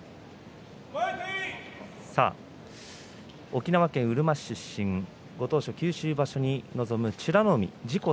沖縄県うるま市出身ご当所、九州場所に臨む美ノ海自己